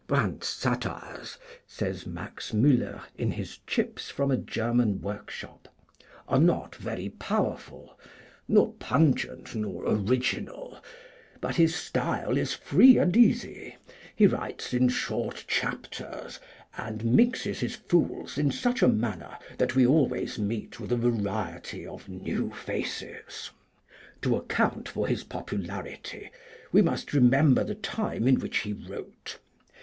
"Brandt's satires," says Max Müller in his 'Chips from a German Workshop,' "are not very powerful, nor pungent, nor original. But his style is free and easy. He writes in short chapters, and mixes his fools in such a manner that we always meet with a variety of new faces. To account for his popularity we must remember the time in which he wrote.